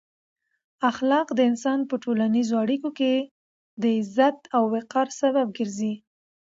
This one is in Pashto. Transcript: اخلاق د انسان په ټولنیزو اړیکو کې د عزت او وقار سبب ګرځي.